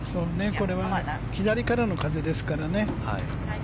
これは左からの風ですからね。